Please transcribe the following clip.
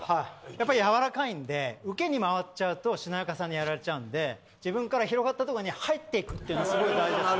やっぱりやわらかいんで受けに回っちゃうとしなやかさにやられちゃうんで自分から広がったとこに入っていくっていうのがすごい大事なんですよ。